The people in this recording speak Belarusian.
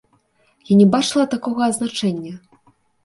Я не бачыла такога азначэння.